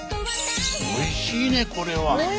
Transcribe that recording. おいしいねこれは。